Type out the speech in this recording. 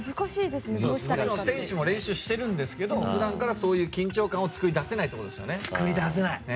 選手も練習しているんですけど普段から、そういう緊張感を作り出せないってことですよね。